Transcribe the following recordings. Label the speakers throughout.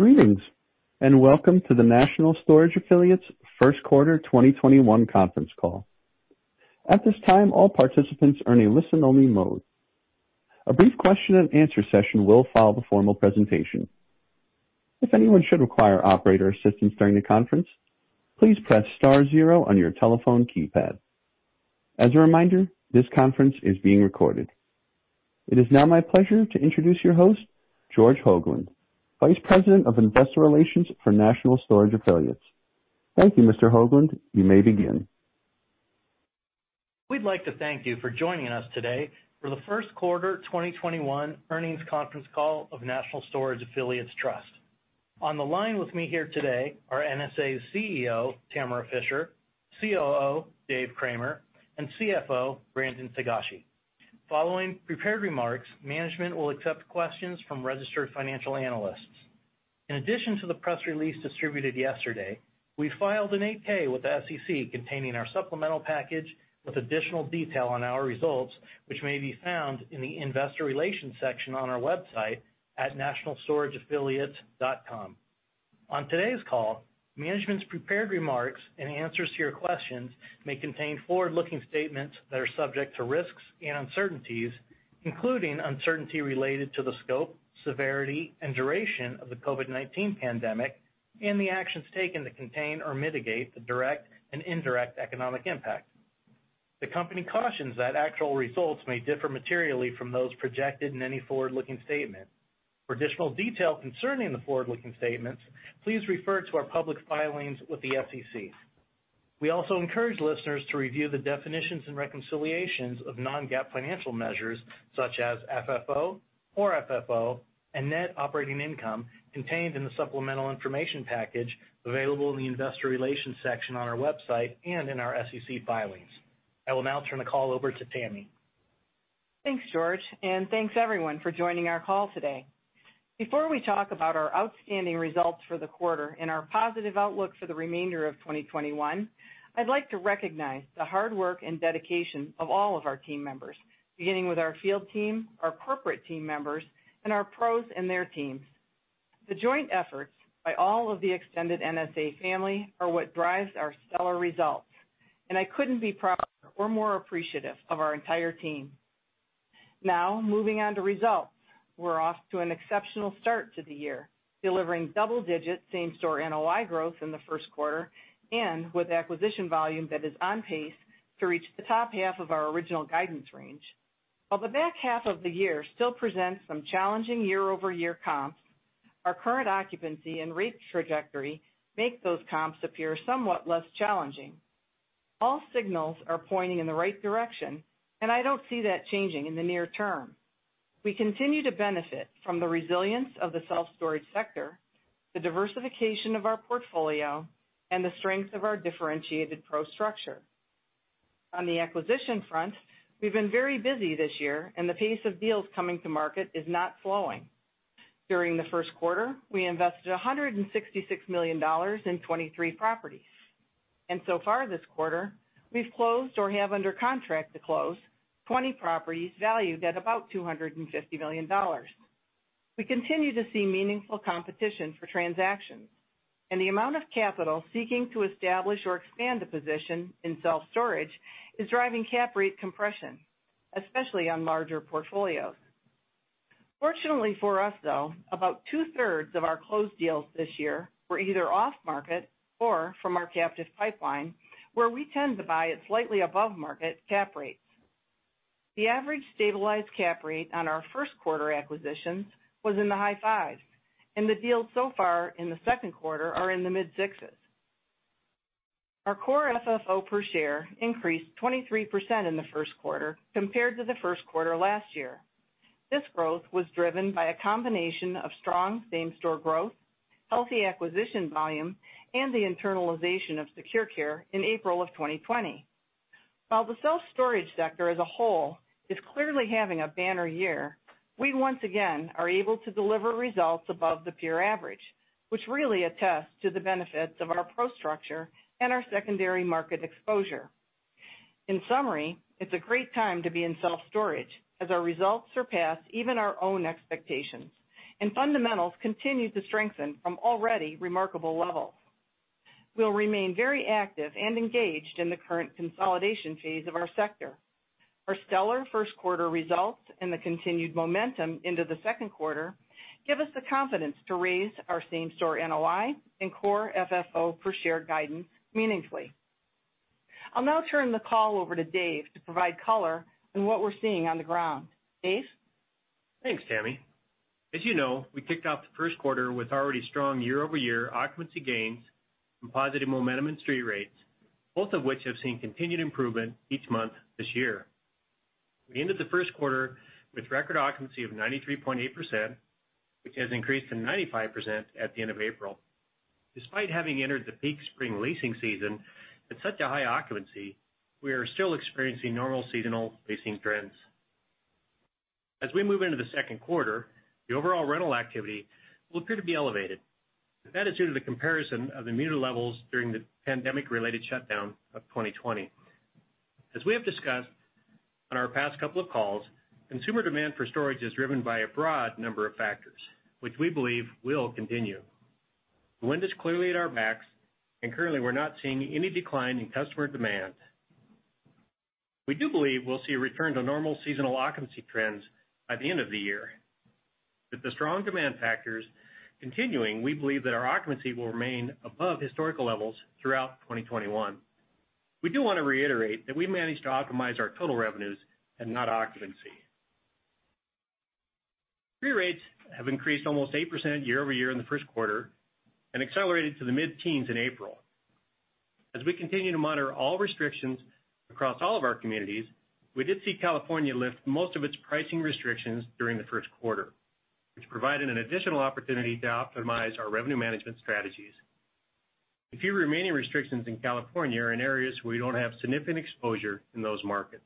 Speaker 1: Greetings, and Welcome to the National Storage Affiliates first quarter 2021 conference call. At this time, all participants are in a listen-only mode. A brief question and answer session will follow the formal presentation. If anyone should require operator assistance during the conference, please press star zero on your telephone keypad. As a reminder, this conference is being recorded. It is now my pleasure to introduce your host, George Hoglund, Vice President of Investor Relations for National Storage Affiliates. Thank you, Mr. Hoglund. You may begin.
Speaker 2: We'd like to thank you for joining us today for the first quarter 2021 earnings conference call of National Storage Affiliates Trust. On the line with me here today are NSA's CEO, Tamara Fischer; COO, David Cramer; and CFO, Brandon Togashi. Following prepared remarks, management will accept questions from registered financial analysts. In addition to the press release distributed yesterday, we filed an 8-K with the SEC containing our supplemental package with additional detail on our results, which may be found in the investor relations section on our website at nationalstorageaffiliates.com. On today's call, management's prepared remarks and answers to your questions may contain forward-looking statements that are subject to risks and uncertainties, including uncertainty related to the scope, severity, and duration of the COVID-19 pandemic and the actions taken to contain or mitigate the direct and indirect economic impact. The company cautions that actual results may differ materially from those projected in any forward-looking statement. For additional detail concerning the forward-looking statements, please refer to our public filings with the SEC. We also encourage listeners to review the definitions and reconciliations of non-GAAP financial measures such as FFO, Core FFO, and net operating income contained in the supplemental information package available in the investor relations section on our website and in our SEC filings. I will now turn the call over to Tammy.
Speaker 3: Thanks, George, and thanks, everyone, for joining our call today. Before we talk about our outstanding results for the quarter and our positive outlook for the remainder of 2021, I'd like to recognize the hard work and dedication of all of our team members, beginning with our field team, our corporate team members, and our PROs and their teams. The joint efforts by all of the extended NSA family are what drives our stellar results. I couldn't be prouder or more appreciative of our entire team. Now, moving on to results. We're off to an exceptional start to the year, delivering double digits same-store NOI growth in the first quarter, and with acquisition volume that is on pace to reach the top half of our original guidance range. While the back half of the year still presents some challenging year-over-year comps, our current occupancy and rate trajectory make those comps appear somewhat less challenging. All signals are pointing in the right direction, and I don't see that changing in the near term. We continue to benefit from the resilience of the self-storage sector, the diversification of our portfolio, and the strength of our differentiated PRO structure. On the acquisition front, we've been very busy this year, and the pace of deals coming to market is not slowing. During the first quarter, we invested $166 million in 23 properties. So far this quarter, we've closed or have under contract to close 20 properties valued at about $250 million. We continue to see meaningful competition for transactions. The amount of capital seeking to establish or expand a position in self-storage is driving cap rate compression, especially on larger portfolios. Fortunately for us, though, about 2/3 of our closed deals this year were either off-market or from our captive pipeline, where we tend to buy at slightly above-market cap rates. The average stabilized cap rate on our first quarter acquisitions was in the high fives, and the deals so far in the second quarter are in the mid-sixes. Our Core FFO per share increased 23% in the first quarter compared to the first quarter last year. This growth was driven by a combination of strong same-store growth, healthy acquisition volume, and the internalization of SecurCare Self Storage in April of 2020. While the self-storage sector as a whole is clearly having a banner year, we once again are able to deliver results above the peer average, which really attests to the benefits of our PRO structure and our secondary market exposure. In summary, it's a great time to be in self-storage, as our results surpassed even our own expectations. Fundamentals continue to strengthen from already remarkable levels. We'll remain very active and engaged in the current consolidation phase of our sector. Our stellar first quarter results and the continued momentum into the second quarter give us the confidence to raise our same-store NOI and Core FFO per share guidance meaningfully. I'll now turn the call over to Dave to provide color on what we're seeing on the ground. Dave?
Speaker 4: Thanks, Tammy. As you know, we kicked off the first quarter with already strong year-over-year occupancy gains and positive momentum in street rates, both of which have seen continued improvement each month this year. We ended the first quarter with record occupancy of 93.8%, which has increased to 95% at the end of April. Despite having entered the peak spring leasing season at such a high occupancy, we are still experiencing normal seasonal leasing trends. As we move into the second quarter, the overall rental activity will appear to be elevated. That is due to the comparison of the muted levels during the pandemic-related shutdown of 2020. As we have discussed on our past couple of calls, consumer demand for storage is driven by a broad number of factors, which we believe will continue. The wind is clearly at our backs, and currently we're not seeing any decline in customer demand. We do believe we'll see a return to normal seasonal occupancy trends by the end of the year. With the strong demand factors continuing, we believe that our occupancy will remain above historical levels throughout 2021. We do want to reiterate that we managed to optimize our total revenues and not occupancy. Free rates have increased almost 8% year-over-year in the first quarter, and accelerated to the mid-teens in April. As we continue to monitor all restrictions across all of our communities, we did see California lift most of its pricing restrictions during the first quarter, which provided an additional opportunity to optimize our revenue management strategies. The few remaining restrictions in California are in areas where we don't have significant exposure in those markets.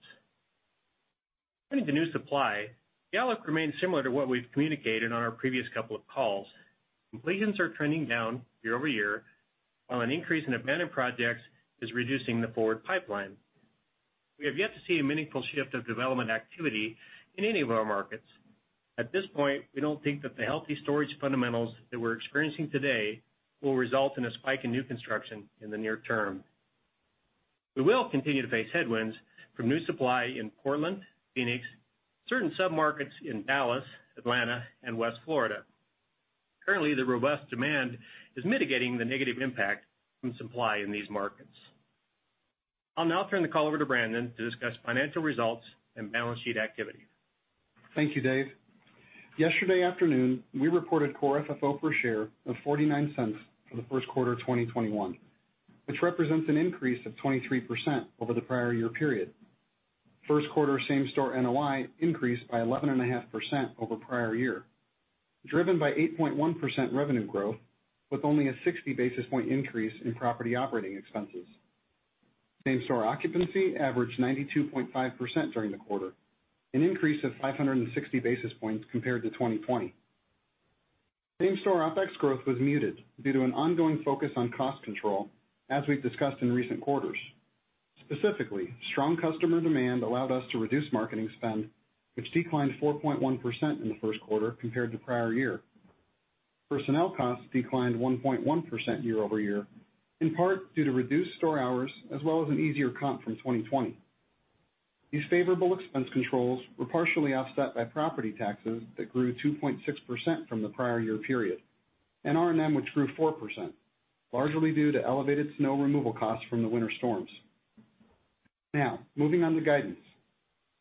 Speaker 4: Turning to new supply, outlook remains similar to what we've communicated on our previous couple of calls. Completions are trending down year-over-year, while an increase in abandoned projects is reducing the forward pipeline. We have yet to see a meaningful shift of development activity in any of our markets. At this point, we don't think that the healthy storage fundamentals that we're experiencing today will result in a spike in new construction in the near term. We will continue to face headwinds from new supply in Portland, Phoenix, certain sub-markets in Dallas, Atlanta, and West Florida. Currently, the robust demand is mitigating the negative impact from supply in these markets. I'll now turn the call over to Brandon to discuss financial results and balance sheet activity.
Speaker 5: Thank you, Dave. Yesterday afternoon, we reported core FFO per share of $0.49 for the first quarter of 2021, which represents an increase of 23% over the prior year period. First quarter same-store NOI increased by 11.5% over prior year, driven by 8.1% revenue growth with only a 60 basis point increase in property operating expenses. Same-store occupancy averaged 92.5% during the quarter, an increase of 560 basis points compared to 2020. Same-store OPEX growth was muted due to an ongoing focus on cost control, as we've discussed in recent quarters. Specifically, strong customer demand allowed us to reduce marketing spend, which declined 4.1% in the first quarter compared to prior year. Personnel costs declined 1.1% year-over-year, in part due to reduced store hours as well as an easier comparable from 2020. These favorable expense controls were partially offset by property taxes that grew 2.6% from the prior year period, R&M which grew 4%, largely due to elevated snow removal costs from the winter storms. Moving on to guidance.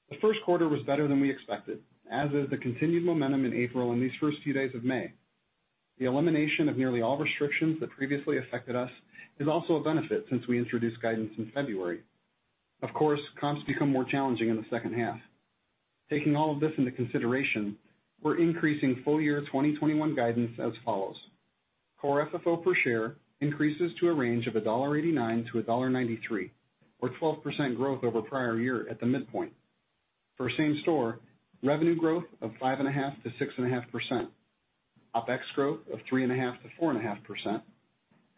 Speaker 5: The first quarter was better than we expected, as is the continued momentum in April and these first few days of May. The elimination of nearly all restrictions that previously affected us is also a benefit since we introduced guidance in February. Of course, comps become more challenging in the second half. Taking all of this into consideration, we're increasing full year 2021 guidance as follows. Core FFO per share increases to a range of $1.89-$1.93, or 12% growth over prior year at the midpoint. For same store, revenue growth of 5.5%-6.5%, OPEX growth of 3.5%-4.5%,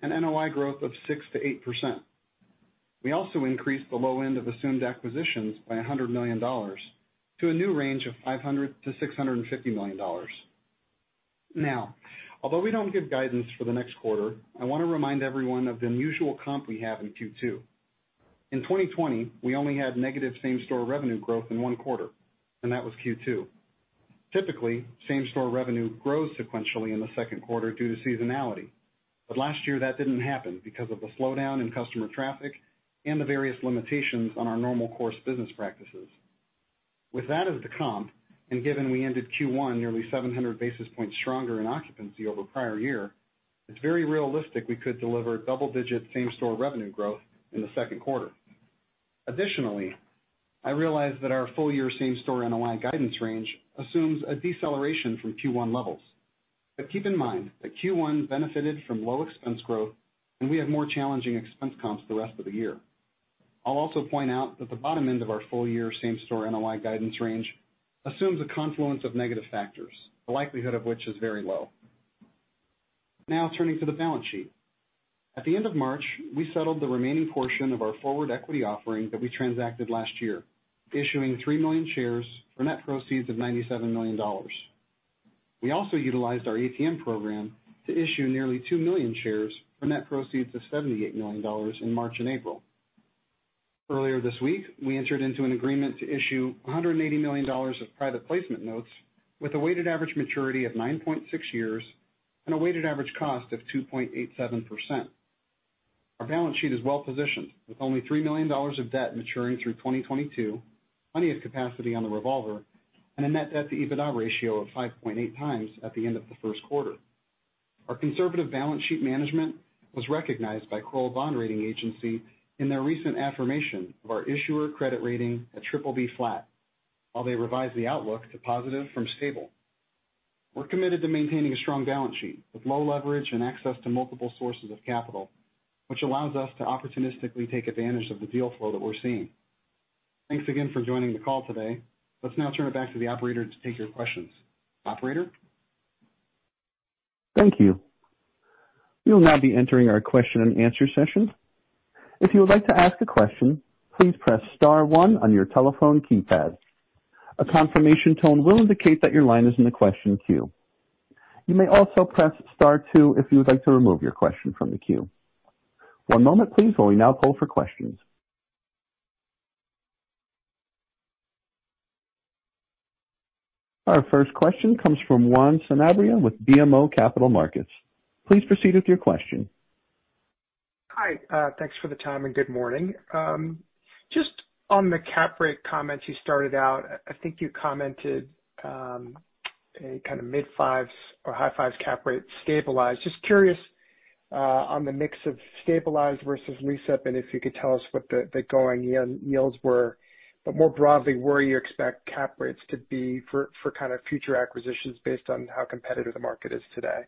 Speaker 5: and NOI growth of 6%-8%. We also increased the low end of assumed acquisitions by $100 million to a new range of $500 million-$650 million. Now although we don't give guidance for the next quarter, I want to remind everyone of the unusual comp we have in Q2. In 2020, we only had negative same-store revenue growth in one quarter, and that was Q2. Typically, same-store revenue grows sequentially in the second quarter due to seasonality. Last year that didn't happen because of the slowdown in customer traffic and the various limitations on our normal course business practices. With that as the comparable, and given we ended Q1 nearly 700 basis points stronger in occupancy over prior year, it's very realistic we could deliver double-digit same-store revenue growth in the second quarter. Additionally, I realize that our full-year same-store NOI guidance range assumes a deceleration from Q1 levels. Keep in mind that Q1 benefited from low expense growth and we have more challenging expense comps the rest of the year. I'll also point out that the bottom end of our full-year same-store NOI guidance range assumes a confluence of negative factors, the likelihood of which is very low. Turning to the balance sheet. At the end of March, we settled the remaining portion of our forward equity offering that we transacted last year, issuing $3 million shares for net proceeds of $97 million. We also utilized our ATM program to issue nearly $2 million shares for net proceeds of $78 million in March and April. Earlier this week, we entered into an agreement to issue $180 million of private placement notes with a weighted average maturity of 9.6 years and a weighted average cost of 2.87%. Our balance sheet is well positioned with only $3 million of debt maturing through 2022, plenty of capacity on the revolver, and a net debt to EBITDA ratio of 5.8x at the end of the first quarter. Our conservative balance sheet management was recognized by Kroll Bond Rating Agency in their recent affirmation of our issuer credit rating at BBB flat, while they revised the outlook to positive from stable. We're committed to maintaining a strong balance sheet with low leverage and access to multiple sources of capital, which allows us to opportunistically take advantage of the deal flow that we're seeing. Thanks again for joining the call today. Let's now turn it back to the operator to take your questions. Operator?
Speaker 1: Thank you. We will now be entering our question and answer session. If you would like to ask a question, please press star one on your telephone keypad. A confirmation tone will indicate that your line is in the question queue. You may also press star two if you would like to remove your question from the queue. One moment please while we now poll for questions. Our first question comes from Juan Sanabria with BMO Capital Markets. Please proceed with your question.
Speaker 6: Hi. Thanks for the time and good morning. Just on the cap rate comments you started out, I think you commented, a kind of mid-fives or high-fives cap rate stabilized. Just curious, on the mix of stabilized versus lease-up, and if you could tell us what the going yields were, but more broadly, where you expect cap rates to be for future acquisitions based on how competitive the market is today.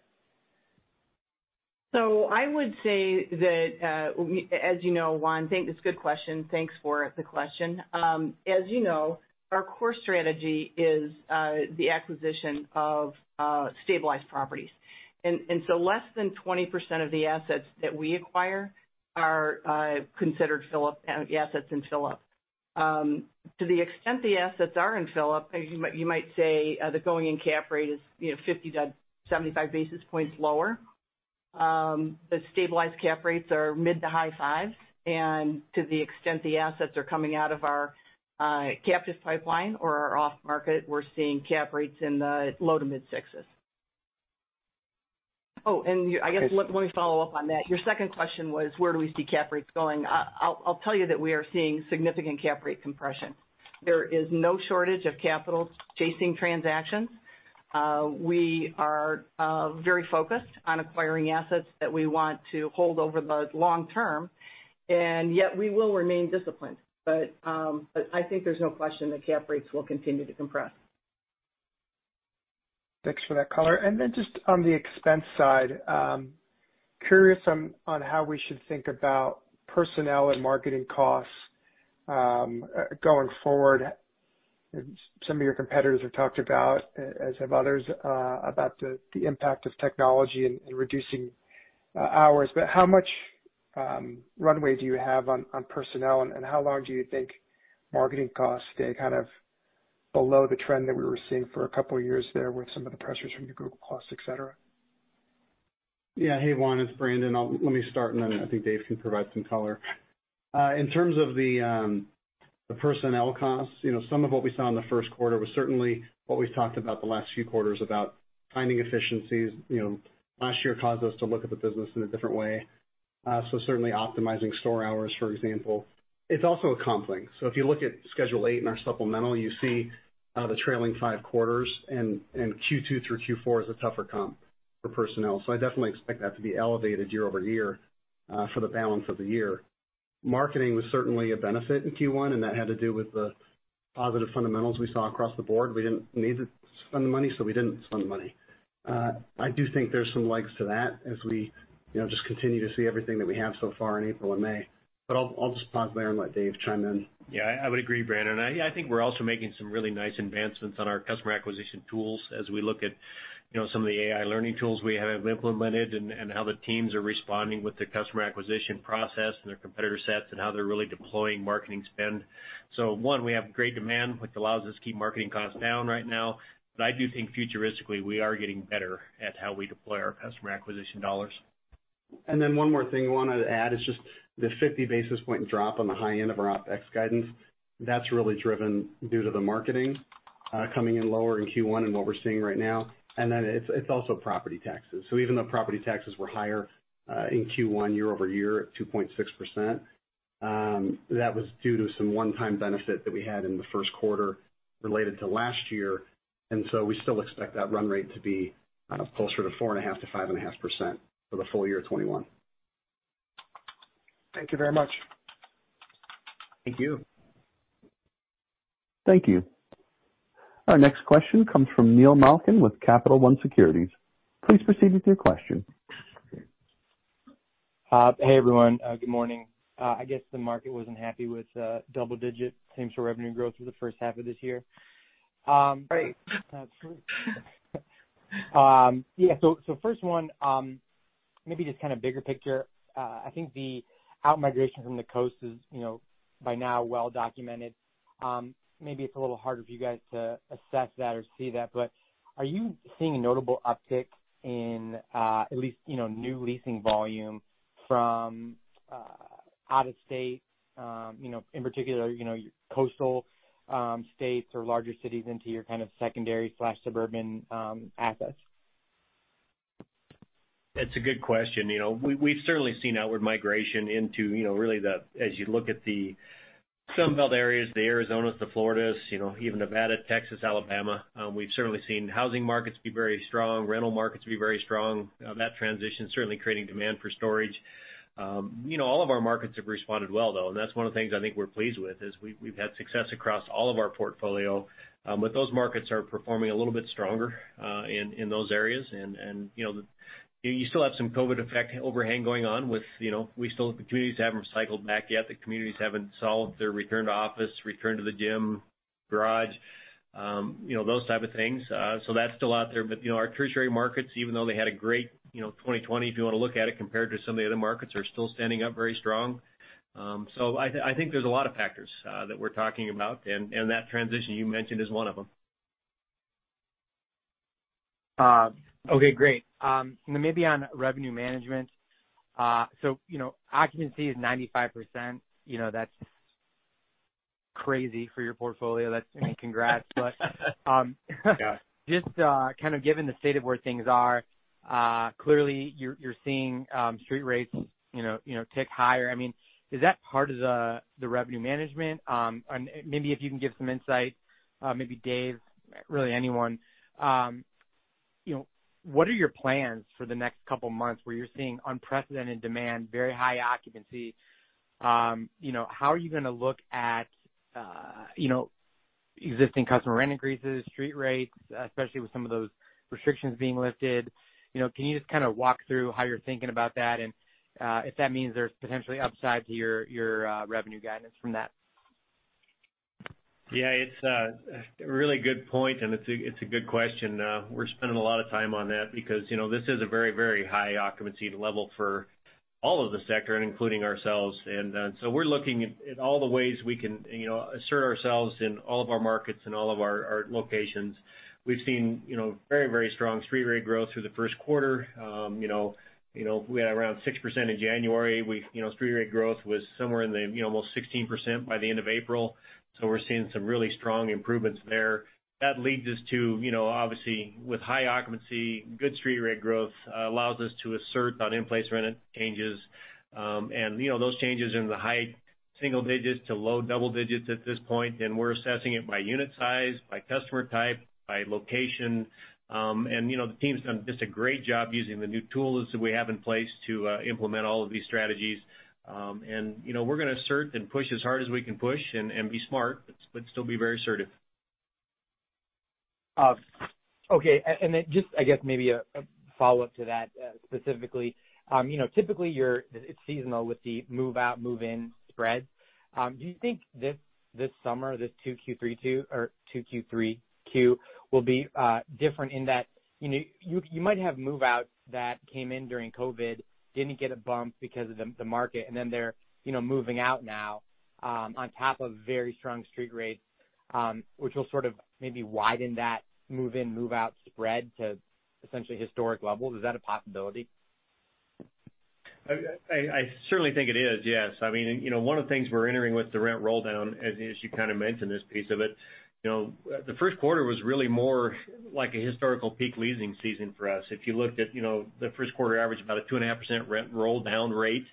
Speaker 3: I would say that, as you know, Juan, thanks, it's a good question, thanks for the question. As you know, our core strategy is the acquisition of stabilized properties. Less than 20% of the assets that we acquire are considered assets in fill-up. To the extent the assets are in fill-up, you might say the going-in cap rate is 50-75 basis points lower. Stabilized cap rates are mid to high fives, and to the extent the assets are coming out of our captive pipeline or our off-market, we're seeing cap rates in the low to mid-sixes. I guess let me follow up on that. Your second question was where do we see cap rates going? I'll tell you that we are seeing significant cap rate compression. There is no shortage of capital chasing transactions. We are very focused on acquiring assets that we want to hold over the long term, and yet we will remain disciplined. I think there's no question that cap rates will continue to compress.
Speaker 6: Thanks for that color. Then just on the expense side, curious on how we should think about personnel and marketing costs going forward. Some of your competitors have talked about, as have others, about the impact of technology in reducing hours. But how much runway do you have on personnel, and how long do you think marketing costs stay kind of below the trend that we were seeing for a couple of years there with some of the pressures from your Google costs, et cetera?
Speaker 5: Yeah. Hey, Juan, it's Brandon. Let me start, and then I think Dave can provide some color. In terms of the personnel costs, some of what we saw in the first quarter was certainly what we've talked about the last few quarters about finding efficiencies. Last year caused us to look at the business in a different way. Certainly optimizing store hours, for example. It's also a comparable thing. If you look at Schedule 8 in our supplemental, you see the trailing five quarters, and Q2 through Q4 is a tougher comparable for personnel. I definitely expect that to be elevated year-over-year for the balance of the year. Marketing was certainly a benefit in Q1, and that had to do with the positive fundamentals we saw across the board. We didn't need to spend the money, so we didn't spend the money. I do think there's some legs to that as we just continue to see everything that we have so far in April and May. I'll just pause there and let Dave chime in.
Speaker 4: Yeah, I would agree, Brandon. I think we're also making some really nice advancements on our customer acquisition tools as we look at some of the AI learning tools we have implemented and how the teams are responding with the customer acquisition process and their competitor sets and how they're really deploying marketing spend. One, we have great demand, which allows us to keep marketing costs down right now, but I do think futuristically, we are getting better at how we deploy our customer acquisition dollars.
Speaker 5: One more thing I wanted to add is just the 50 basis point drop on the high end of our OPEX guidance. That's really driven due to the marketing coming in lower in Q1 and what we're seeing right now. It's also property taxes. Even though property taxes were higher in Q1 year-over-year at 2.6%, that was due to some one-time benefit that we had in the first quarter related to last year. We still expect that run rate to be closer to 4.5%-5.5% for the full year 2021.
Speaker 6: Thank you very much.
Speaker 5: Thank you.
Speaker 1: Thank you. Our next question comes from Neil Malkin with Capital One Securities. Please proceed with your question.
Speaker 7: Hey, everyone. Good morning. I guess the market wasn't happy with double-digit same-store revenue growth for the first half of this year.
Speaker 3: Right. Absolutely.
Speaker 7: Yeah. First one, maybe just kind of bigger picture. I think the outmigration from the coast is by now well documented. Maybe it's a little harder for you guys to assess that or see that, but are you seeing a notable uptick in at least new leasing volume from out-of-state, in particular, your coastal states or larger cities into your kind of secondary/suburban assets?
Speaker 4: That's a good question. We've certainly seen outward migration into really as you look at the Sun Belt areas, the Arizonas, the Floridas, even Nevada, Texas, Alabama. We've certainly seen housing markets be very strong, rental markets be very strong, that transition certainly creating demand for storage. All of our markets have responded well, though, and that's one of the things I think we're pleased with is we've had success across all of our portfolio, but those markets are performing a little bit stronger in those areas. You still have some COVID effect overhang going on with the communities that haven't cycled back yet, the communities haven't solved their return to office, return to the gym garage, those type of things. That's still out there. Our tertiary markets, even though they had a great 2020, if you want to look at it compared to some of the other markets, are still standing up very strong. I think there's a lot of factors that we're talking about, and that transition you mentioned is one of them.
Speaker 7: Okay, great. Maybe on revenue management. Occupancy is 95%. That's crazy for your portfolio. I mean, congrats.
Speaker 4: Yeah.
Speaker 7: Just kind of given the state of where things are, clearly you're seeing street rates tick higher. Is that part of the revenue management? Maybe if you can give some insight, maybe Dave, really anyone. What are your plans for the next couple of months where you're seeing unprecedented demand, very high occupancy? How are you going to look at existing customer rent increases, street rates, especially with some of those restrictions being lifted? Can you just kind of walk through how you're thinking about that, and if that means there's potentially upside to your revenue guidance from that?
Speaker 4: Yeah, it's a really good point, and it's a good question. We're spending a lot of time on that because this is a very high occupancy level for all of the sector, including ourselves. We're looking at all the ways we can assert ourselves in all of our markets and all of our locations. We've seen very strong street rate growth through the first quarter. We had around 6% in January. Street rate growth was somewhere in the almost 16% by the end of April. We're seeing some really strong improvements there. That leads us to, obviously, with high occupancy, good street rate growth allows us to assert on in-place rent changes. Those changes are in the high single digits to low double digits at this point, and we're assessing it by unit size, by customer type, by location. The team's done just a great job using the new tools that we have in place to implement all of these strategies. We're going to assert and push as hard as we can push and be smart, but still be very assertive.
Speaker 7: Okay. Just, I guess maybe a follow-up to that, specifically. Typically, it's seasonal with the move-out, move-in spread. Do you think this summer, this 2Q32 or 2Q vs 3Q will be different in that you might have move-outs that came in during COVID, didn't get a bump because of the market, and then they're moving out now on top of very strong street rates, which will sort of maybe widen that move-in, move-out spread to essentially historic levels. Is that a possibility?
Speaker 4: I certainly think it is, yes. One of the things we're entering with the rent rolldown, as you kind of mentioned this piece of it, the first quarter was really more like a historical peak leasing season for us. If you looked at the first quarter average, about a 2.5% rent rolldown rate,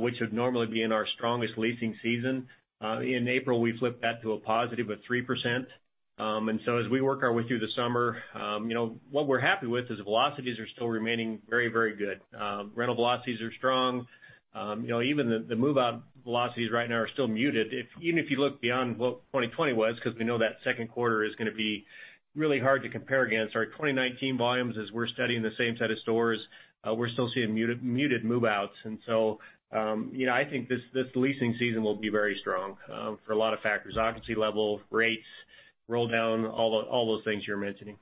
Speaker 4: which would normally be in our strongest leasing season. In April, we flipped that to a positive at 3%. As we work our way through the summer, what we're happy with is velocities are still remaining very good. Rental velocities are strong. Even the move-out velocities right now are still muted, even if you look beyond what 2020 was, because we know that second quarter is going to be really hard to compare against our 2019 volumes as we're studying the same set of stores. We're still seeing muted move-outs. I think this leasing season will be very strong for a lot of factors, occupancy level, rates, rolldown, all those things you're mentioning.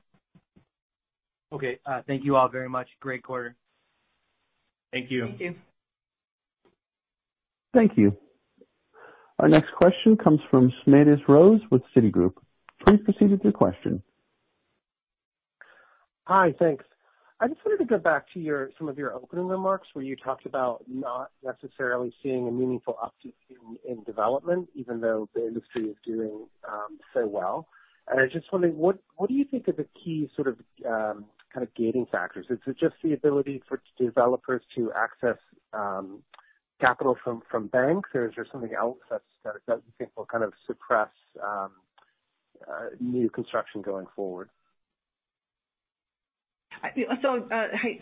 Speaker 7: Okay. Thank you all very much. Great quarter.
Speaker 4: Thank you.
Speaker 3: Thank you.
Speaker 1: Thank you. Our next question comes from Smedes Rose with Citigroup. Please proceed with your question.
Speaker 8: Hi, thanks. I just wanted to go back to some of your opening remarks where you talked about not necessarily seeing a meaningful uptick in development, even though the industry is doing so well. I just wondering, what do you think are the key sort of gating factors? Is it just the ability for developers to access capital from banks, or is there something else that you think will kind of suppress new construction going forward?
Speaker 3: Hi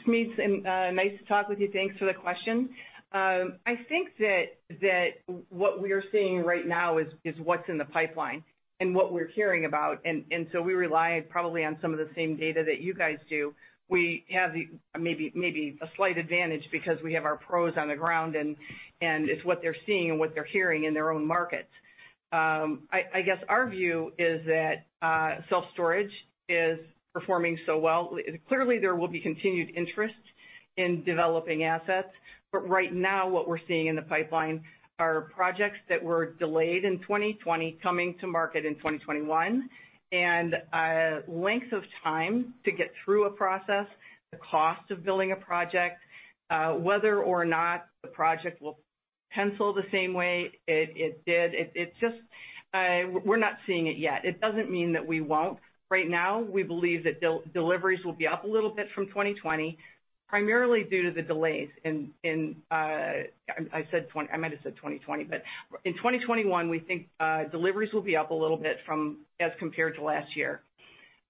Speaker 3: Smedes, and nice to talk with you. Thanks for the question. I think that what we're seeing right now is what's in the pipeline and what we're hearing about, we rely probably on some of the same data that you guys do. We have maybe a slight advantage because we have our PROs on the ground, and it's what they're seeing and what they're hearing in their own markets. I guess our view is that self-storage is performing so well. Clearly, there will be continued interest in developing assets. Right now, what we're seeing in the pipeline are projects that were delayed in 2020, coming to market in 2021. Length of time to get through a process, the cost of building a project, whether or not the project will pencil the same way it did, we're not seeing it yet. It doesn't mean that we won't. Right now, we believe that deliveries will be up a little bit from 2020, primarily due to the delays in I might have said 2020, but in 2021, we think deliveries will be up a little bit as compared to last year.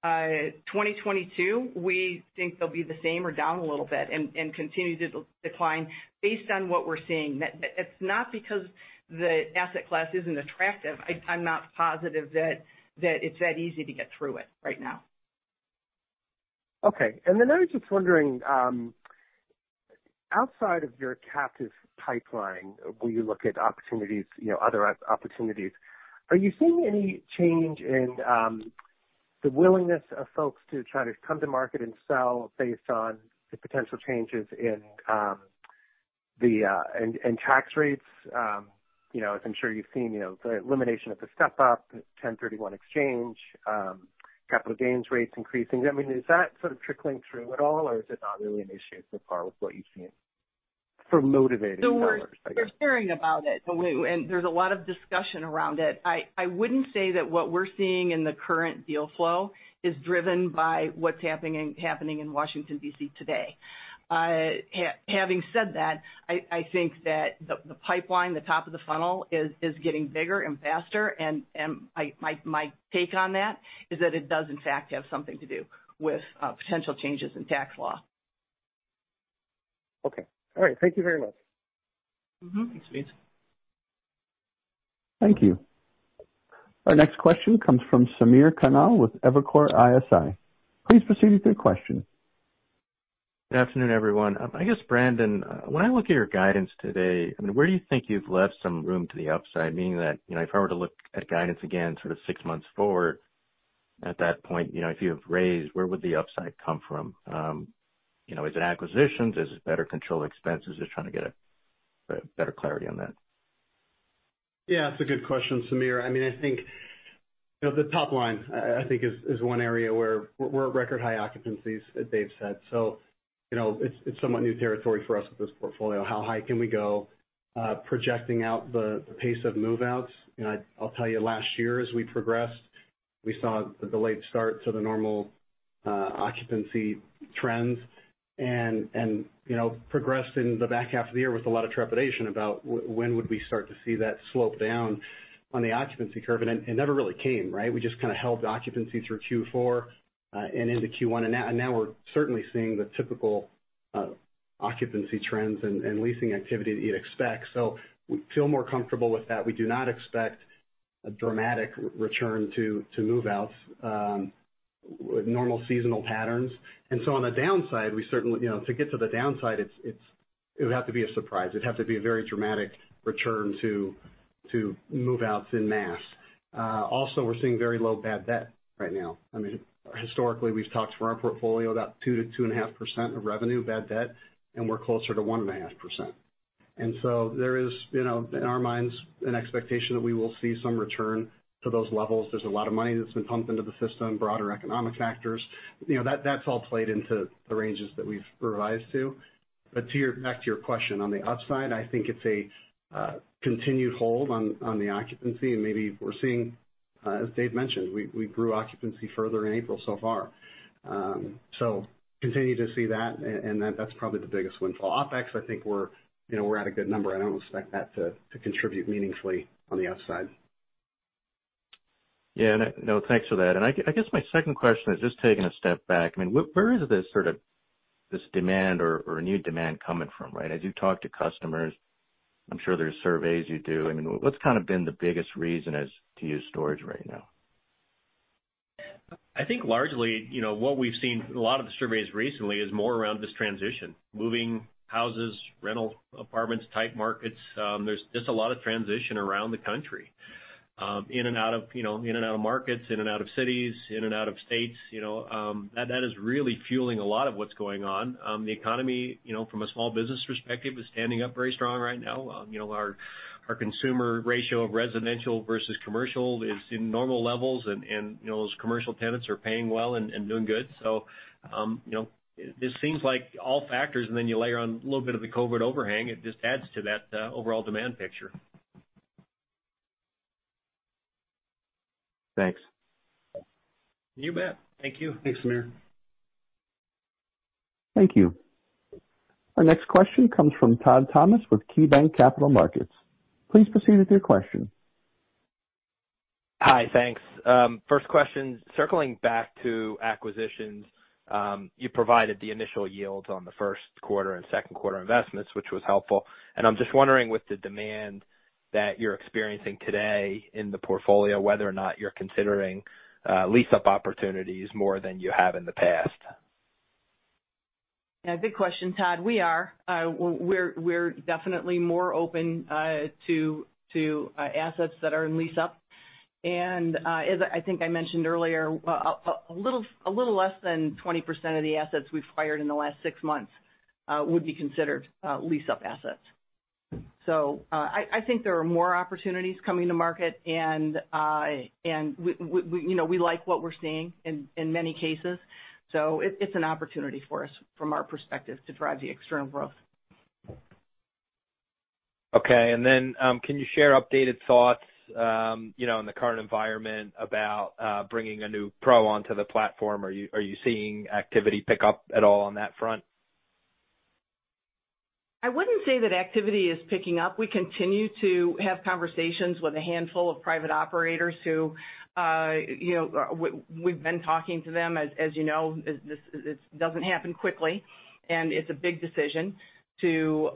Speaker 3: 2022, we think they'll be the same or down a little bit and continue to decline based on what we're seeing. It's not because the asset class isn't attractive. I'm not positive that it's that easy to get through it right now.
Speaker 8: Okay. I was just wondering, outside of your captive pipeline, will you look at other opportunities? Are you seeing any change in the willingness of folks to try to come to market and sell based on the potential changes in tax rates? As I'm sure you've seen, the elimination of the step-up, the 1031 exchange, capital gains rates increasing. Is that sort of trickling through at all or is it not really an issue so far with what you've seen for motivating sellers, I guess?
Speaker 3: They're hearing about it, and there's a lot of discussion around it. I wouldn't say that what we're seeing in the current deal flow is driven by what's happening in Washington, D.C. today. Having said that, I think that the pipeline, the top of the funnel, is getting bigger and faster, and my take on that is that it does in fact have something to do with potential changes in tax law.
Speaker 8: Okay. All right. Thank you very much.
Speaker 3: Mm-hmm.
Speaker 4: Thanks, Smedes.
Speaker 1: Thank you. Our next question comes from Samir Khanal with Evercore ISI. Please proceed with your question.
Speaker 9: Good afternoon, everyone. I guess, Brandon Togashi, when I look at your guidance today, where do you think you've left some room to the upside, meaning that if I were to look at guidance again sort of six months forward at that point, if you have raised, where would the upside come from? Is it acquisitions? Is it better control expenses? Just trying to get a better clarity on that.
Speaker 5: It's a good question, Samir. I think the top line is one area where we're at record high occupancies, as Dave said. It's somewhat new territory for us with this portfolio. How high can we go projecting out the pace of move-outs? I'll tell you, last year as we progressed, we saw the delayed start to the normal occupancy trends, and progressed in the back half of the year with a lot of trepidation about when would we start to see that slope down on the occupancy curve, and it never really came, right? We just kind of held occupancy through Q4, and into Q1, and now we're certainly seeing the typical occupancy trends and leasing activity that you'd expect. We feel more comfortable with that. We do not expect a dramatic return to move-outs with normal seasonal patterns. On the downside, to get to the downside, it would have to be a surprise. It would have to be a very dramatic return to move-outs en masse. We're seeing very low bad debt right now. Historically, we've talked for our portfolio about 2%-2.5% of revenue bad debt, and we're closer to 1.5%. There is, in our minds, an expectation that we will see some return to those levels. There's a lot of money that's been pumped into the system, broader economic factors. That's all played into the ranges that we've revised to. Back to your question, on the upside, I think it's a continued hold on the occupancy, and maybe we're seeing, as David Cramer mentioned, we grew occupancy further in April so far. Continue to see that, and that's probably the biggest windfall. OpEx, I think we're at a good number. I don't expect that to contribute meaningfully on the upside.
Speaker 9: Yeah. No, thanks for that. I guess my second question is just taking a step back. Where is this sort of demand or new demand coming from, right? As you talk to customers, I'm sure there's surveys you do. What's kind of been the biggest reason as to use storage right now?
Speaker 4: I think largely, what we've seen a lot of the surveys recently is more around this transition, moving houses, rental apartments type markets. There's just a lot of transition around the country. In and out of markets, in and out of cities, in and out of states. That is really fueling a lot of what's going on. The economy, from a small business perspective, is standing up very strong right now. Our consumer ratio of residential versus commercial is in normal levels, and those commercial tenants are paying well and doing good. This seems like all factors, and then you layer on a little bit of the COVID-19 overhang, it just adds to that overall demand picture.
Speaker 9: Thanks.
Speaker 4: You bet. Thank you.
Speaker 5: Thanks, Samir.
Speaker 1: Thank you. Our next question comes from Todd Thomas with KeyBank. Please proceed with your question.
Speaker 10: Hi. Thanks. First question, circling back to acquisitions. You provided the initial yields on the first quarter and second quarter investments, which was helpful. I'm just wondering with the demand that you're experiencing today in the portfolio, whether or not you're considering lease-up opportunities more than you have in the past.
Speaker 3: Yeah. Good question, Todd. We are. We're definitely more open to assets that are in lease-up. As I think I mentioned earlier, a little less than 20% of the assets we've acquired in the last six months would be considered lease-up assets. I think there are more opportunities coming to market, and we like what we're seeing in many cases. It's an opportunity for us, from our perspective, to drive the external growth.
Speaker 10: Okay. Can you share updated thoughts, in the current environment about bringing a new PRO onto the platform? Are you seeing activity pick up at all on that front?
Speaker 3: I wouldn't say that activity is picking up. We continue to have conversations with a handful of private operators who we've been talking to them. As you know, it doesn't happen quickly, and it's a big decision to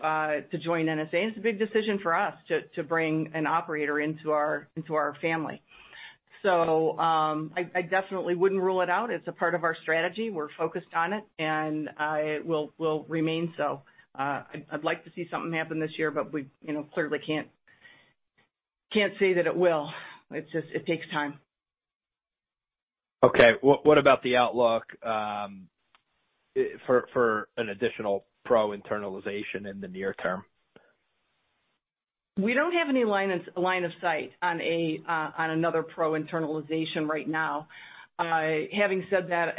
Speaker 3: join NSA, and it's a big decision for us to bring an operator into our family. I definitely wouldn't rule it out. It's a part of our strategy. We're focused on it, and it will remain so. I'd like to see something happen this year, we clearly can't say that it will. It takes time.
Speaker 10: Okay. What about the outlook for an additional PRO internalization in the near term?
Speaker 3: We don't have any line of sight on another PRO internalization right now. Having said that,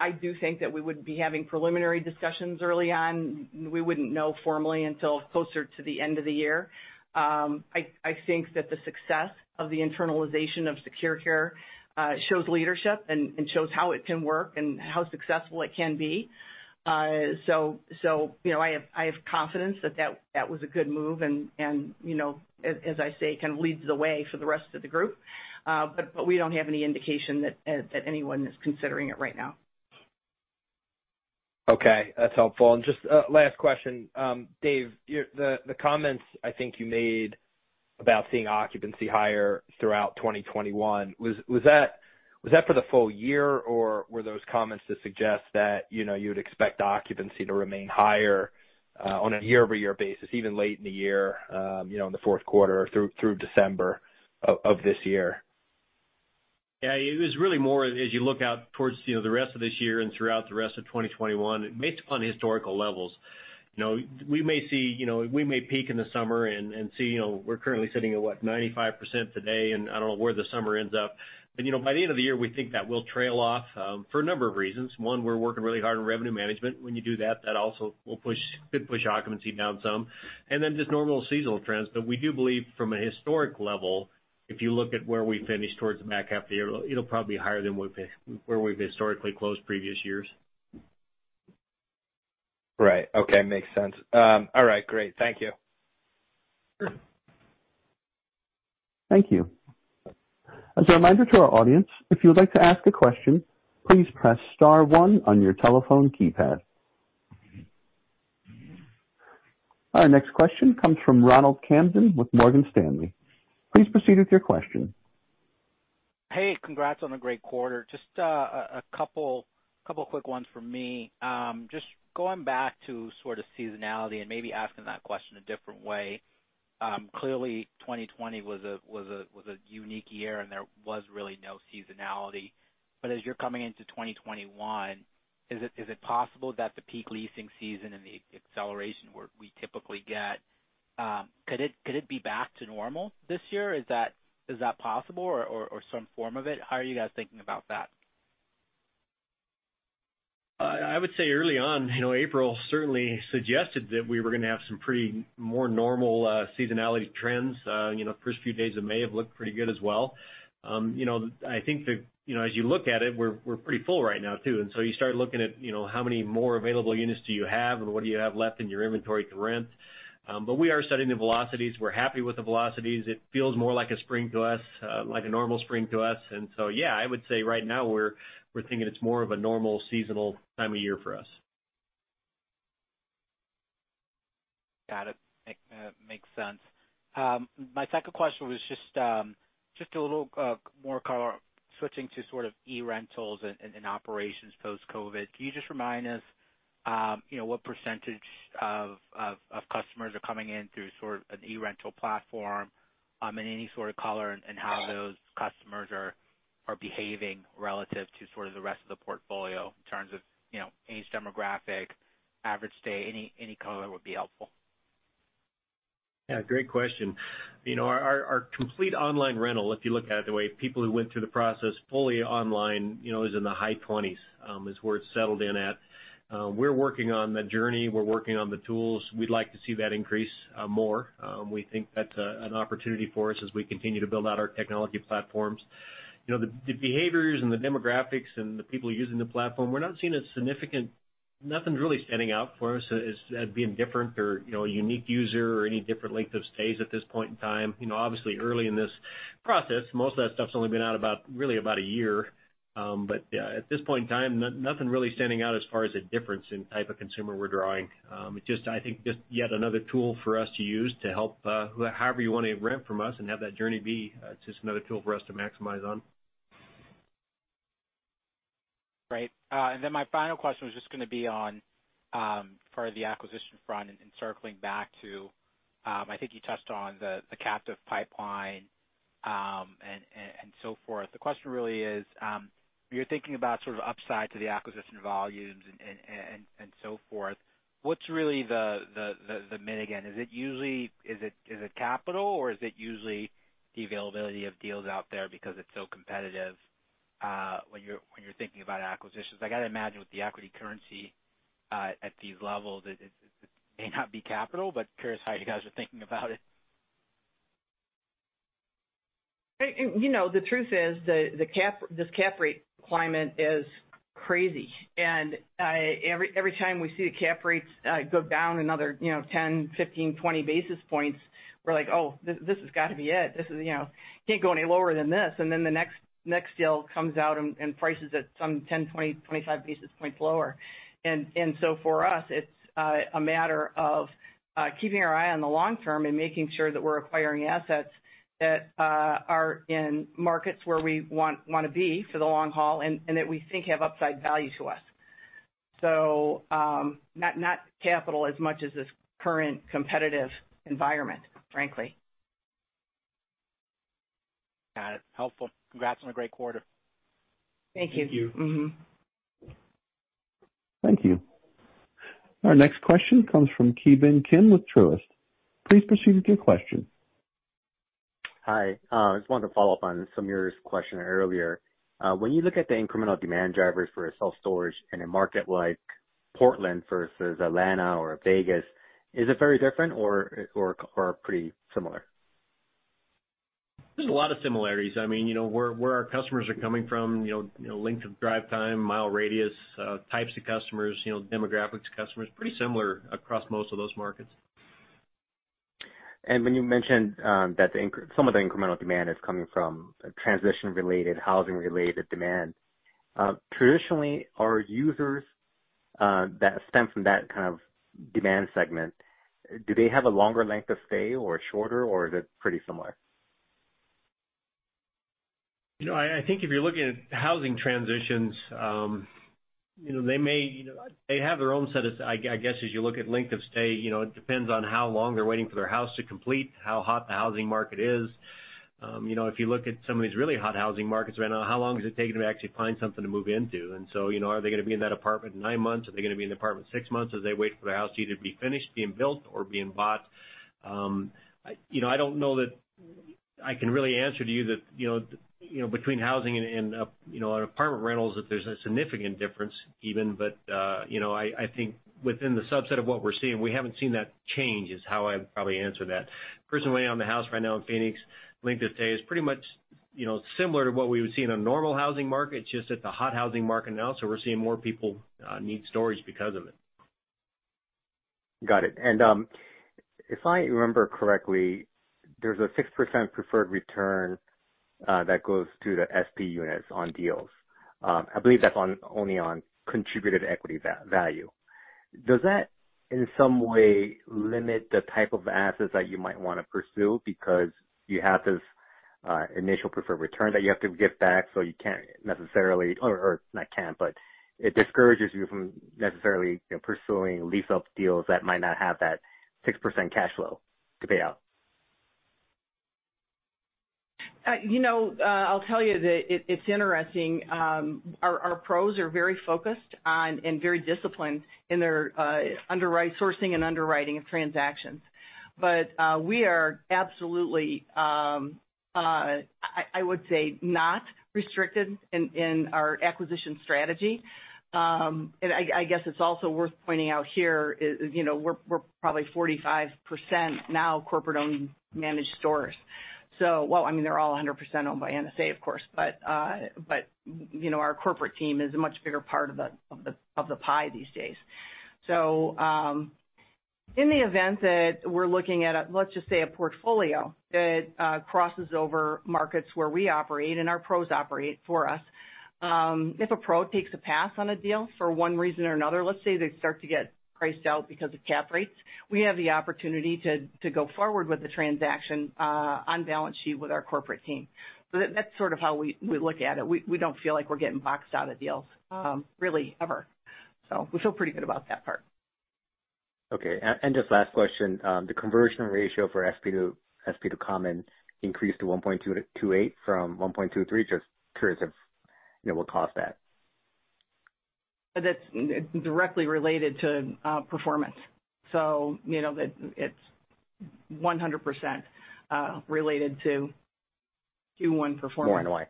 Speaker 3: I do think that we would be having preliminary discussions early on. We wouldn't know formally until closer to the end of the year. I think that the success of the internalization of SecurCare shows leadership and shows how it can work and how successful it can be. I have confidence that was a good move and, as I say, kind of leads the way for the rest of the group. We don't have any indication that anyone is considering it right now.
Speaker 10: Okay, that's helpful. Just last question. Dave, the comments I think you made about seeing occupancy higher throughout 2021, was that for the full year, or were those comments to suggest that you would expect occupancy to remain higher on a year-over-year basis, even late in the year, in the fourth quarter through December of this year?
Speaker 4: Yeah, it was really more as you look out towards the rest of this year and throughout the rest of 2021, based upon historical levels. We may peak in the summer and see, we're currently sitting at what, 95% today. I don't know where the summer ends up. By the end of the year, we think that will trail off for a number of reasons. One, we're working really hard on revenue management. When you do that also could push occupancy down some. Just normal seasonal trends. We do believe from a historic level, if you look at where we finish towards the back half of the year, it'll probably be higher than where we've historically closed previous years.
Speaker 10: Right. Okay. Makes sense. All right, great. Thank you.
Speaker 4: Sure.
Speaker 1: Thank you. As a reminder to our audience, if you would like to ask a question, please press star one on your telephone keypad. Our next question comes from Ronald Kamdem with Morgan Stanley. Please proceed with your question.
Speaker 11: Hey, congrats on a great quarter. Just a couple quick ones from me. Just going back to sort of seasonality and maybe asking that question a different way. Clearly, 2020 was a unique year, and there was really no seasonality. As you're coming into 2021, is it possible that the peak leasing season and the acceleration where we typically get, could it be back to normal this year? Is that possible or some form of it? How are you guys thinking about that?
Speaker 4: I would say early on, April certainly suggested that we were going to have some pretty more normal seasonality trends. First few days of May have looked pretty good as well. I think that as you look at it, we're pretty full right now, too. You start looking at how many more available units do you have and what do you have left in your inventory to rent. We are studying the velocities. We're happy with the velocities. It feels more like a spring to us, like a normal spring to us. Yeah, I would say right now we're thinking it's more of a normal seasonal time of year for us.
Speaker 11: Got it. Makes sense. My second question was just a little more color, switching to sort of eRental and operations post-COVID-19. Can you just remind us what % of customers are coming in through sort of an eRental platform and any sort of color and how those customers are behaving relative to sort of the rest of the portfolio in terms of age demographic, average stay, any color would be helpful?
Speaker 4: Yeah, great question. Our complete online rental, if you look at it, the way people who went through the process fully online is in the high 20s, is where it's settled in at. We're working on the journey. We're working on the tools. We'd like to see that increase more. We think that's an opportunity for us as we continue to build out our technology platforms. The behaviors and the demographics and the people using the platform, we're not seeing nothing's really standing out for us as being different or a unique user or any different length of stays at this point in time. Obviously early in this process, most of that stuff's only been out about, really about a year. Yeah, at this point in time, nothing really standing out as far as a difference in type of consumer we're drawing. I think just yet another tool for us to use to help however you want to rent from us and have that journey be just another tool for us to maximize on.
Speaker 11: Right. My final question was just going to be on part of the acquisition front and circling back to, I think you touched on the captive pipeline and so forth. The question really is, when you're thinking about sort of upside to the acquisition volumes and so forth, what's really the main impediment again? Is it capital, or is it usually the availability of deals out there because it's so competitive when you're thinking about acquisitions? I got to imagine with the equity currency at these levels, it may not be capital, but curious how you guys are thinking about it.
Speaker 3: The truth is, this cap rate climate is crazy. Every time we see the cap rates go down another 10, 15, 20 basis points, we're like, "Oh, this has got to be it. It can't go any lower than this." The next deal comes out and prices at some 10, 20, 25 basis points lower. For us, it's a matter of keeping our eye on the long term and making sure that we're acquiring assets that are in markets where we want to be for the long haul and that we think have upside value to us. Not capital as much as this current competitive environment, frankly.
Speaker 11: Got it. Helpful. Congrats on a great quarter.
Speaker 3: Thank you.
Speaker 4: Thank you.
Speaker 1: Thank you. Our next question comes from Ki Bin Kim with Truist. Please proceed with your question.
Speaker 12: Hi. I just wanted to follow up on Samir's question earlier. When you look at the incremental demand drivers for self-storage in a market like Portland versus Atlanta or Vegas, is it very different or pretty similar?
Speaker 4: There's a lot of similarities. Where our customers are coming from, length of drive time, mile radius, types of customers, demographics of customers, pretty similar across most of those markets.
Speaker 12: When you mentioned that some of the incremental demand is coming from transition-related, housing-related demand. Traditionally, our users that stem from that kind of demand segment, do they have a longer length of stay or shorter, or is it pretty similar?
Speaker 4: I think if you're looking at housing transitions, they have their own set of I guess as you look at length of stay, it depends on how long they're waiting for their house to complete, how hot the housing market is. If you look at some of these really hot housing markets right now, how long does it take them to actually find something to move into? Are they going to be in that apartment nine months? Are they going to be in the apartment six months as they wait for the house to either be finished, being built, or being bought? I don't know that I can really answer to you that between housing and apartment rentals, that there's a significant difference even. I think within the subset of what we're seeing, we haven't seen that change is how I'd probably answer that. Personally, I own a house right now in Phoenix. Length of stay is pretty much similar to what we would see in a normal housing market. It's just it's a hot housing market now, so we're seeing more people need storage because of it.
Speaker 12: Got it. If I remember correctly, there's a 6% preferred return that goes to the SP units on deals. I believe that's only on contributed equity value. Does that in some way limit the type of assets that you might want to pursue because you have this initial preferred return that you have to give back, so you can't necessarily but it discourages you from necessarily pursuing lease-up deals that might not have that 6% cash flow to pay out.
Speaker 3: I'll tell you that it's interesting. Our PROs are very focused on and very disciplined in their sourcing and underwriting of transactions. We are absolutely, I would say, not restricted in our acquisition strategy. I guess it's also worth pointing out here is we're probably 45% now corporate-owned managed stores. Well, they're all 100% owned by NSA, of course, but our corporate team is a much bigger part of the pie these days. In the event that we're looking at, let's just say, a portfolio that crosses over markets where we operate and our PROs operate for us. If a PRO takes a pass on a deal for one reason or another, let's say they start to get priced out because of cap rates, we have the opportunity to go forward with the transaction on balance sheet with our corporate team. That's sort of how we look at it. We don't feel like we're getting boxed out of deals, really, ever. We feel pretty good about that part.
Speaker 12: Okay. Just last question. The conversion ratio for SP to common increased to 1.28 from 1.23. Just curious of what caused that.
Speaker 3: That's directly related to performance. It's 100% related to Q1 performance.
Speaker 12: More NOI.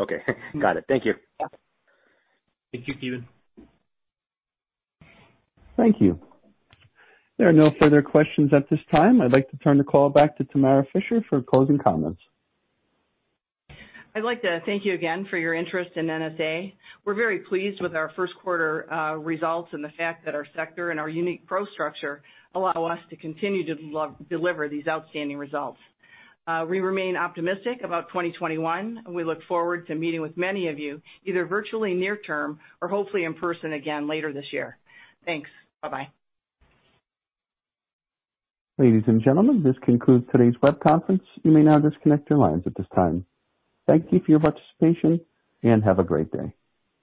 Speaker 12: Okay. Got it. Thank you.
Speaker 4: Thank you, Ki Bin Kim.
Speaker 1: Thank you. There are no further questions at this time. I'd like to turn the call back to Tamara Fischer for closing comments.
Speaker 3: I'd like to thank you again for your interest in NSA. We're very pleased with our first quarter results and the fact that our sector and our unique PRO structure allow us to continue to deliver these outstanding results. We remain optimistic about 2021, we look forward to meeting with many of you, either virtually near term or hopefully in person again later this year. Thanks. Bye-bye.
Speaker 1: Ladies and gentlemen, this concludes today's web conference. You may now disconnect your lines at this time. Thank you for your participation, and have a great day.